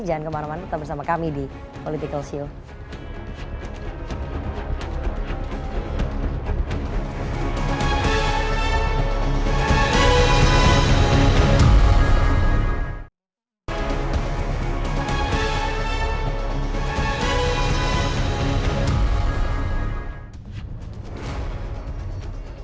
jangan kemarau marau tetap bersama kami di political shield